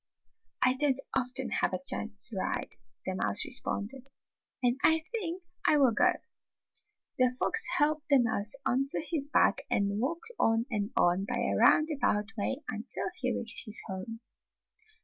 "I don't often have a chance to ride," the mouse responded, "and I think I will The fox helped the mouse onto his back and walked on and on by a roundabout way until he reached his home.